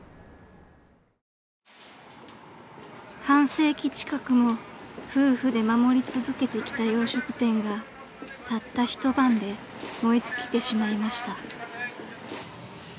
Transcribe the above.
［半世紀近くも夫婦で守り続けてきた洋食店がたった一晩で燃え尽きてしまいました］